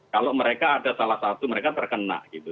kalau mereka ada salah satu mereka terkena gitu